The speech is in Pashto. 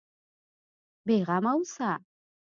بېغمه اوسه.